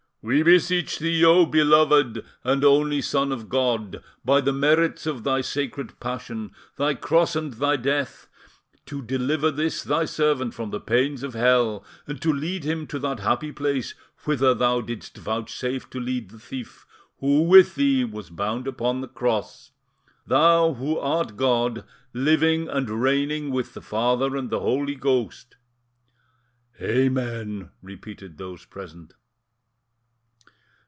"We beseech Thee, O beloved and only Son of God, by the merits of Thy sacred Passion, Thy Cross and Thy Death, to deliver this Thy servant from the pains of Hell, and to lead him to that happy place whither Thou didst vouchsafe to lead the thief, who, with Thee, was bound upon the Cross: Thou, who art God, living and reigning with the Father and the Holy Ghost." "Amen," repeated those present.